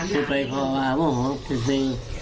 ก็ไปพอว่าโมโหที่สิ